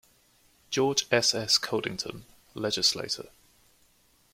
George S. S. Codington, legislator.